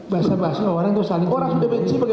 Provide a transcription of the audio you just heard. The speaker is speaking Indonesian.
bahasa bahasi orang itu saling berbicara